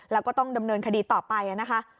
แล้วก็ต้องดำเนินคดีต่อไปนะคะ